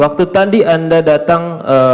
waktu tadi anda datang